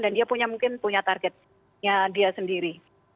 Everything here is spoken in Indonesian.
dan dia mungkin punya targetnya dia sendiri